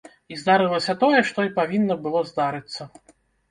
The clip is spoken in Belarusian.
І здарылася тое, што і павінна было здарыцца.